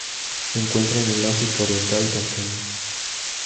Se encuentra en el África Oriental: Tanzania.